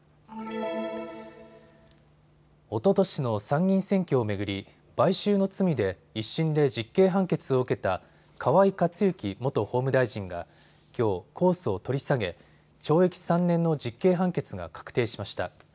おととしの参議院選挙を巡り買収の罪で１審で実刑判決を受けた河井克行元法務大臣がきょう、控訴を取り下げ懲役３年の実刑判決が確定しました。